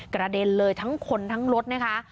กระเด็นเลยทั้งคนทั้งรถนะคะ